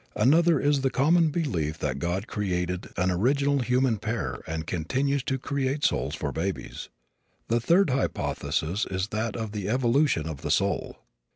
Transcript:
Another is the common belief that God created an original human pair and continues to create souls for babies. The third hypothesis is that of the evolution of the soul.